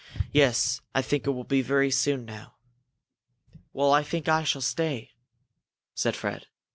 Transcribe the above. Yes, I think it will be very soon now." "Well, I think I shall stay," said Fred.